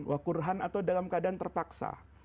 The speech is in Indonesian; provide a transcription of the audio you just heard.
wa kurhan atau dalam keadaan terpaksa